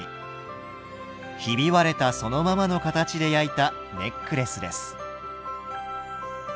ひび割れたそのままの形で焼いたネックレスです。